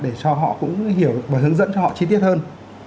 để cho họ cũng hiểu và hướng dẫn cho họ chi tiết hơn